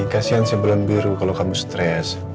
kasian si belon biru kalau kamu stres